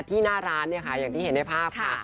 หน้าร้านเนี่ยค่ะอย่างที่เห็นในภาพค่ะ